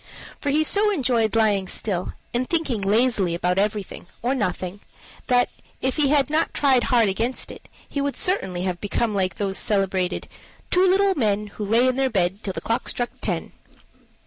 For he so enjoyed lying still, and thinking lazily about everything or nothing, that, if he had not tried hard against it, he would certainly have become like those celebrated "Two little men Who lay in their bed till the clock struck ten."